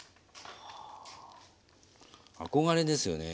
憧れですよね